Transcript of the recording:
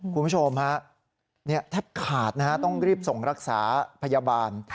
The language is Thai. คุณผู้ชมฮะแทบขาดนะฮะต้องรีบส่งรักษาพยาบาล